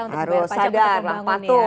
harus sadar lah patuh